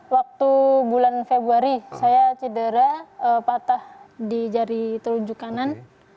waktu bulan februari saya cedera patah di jari telunjuk kanan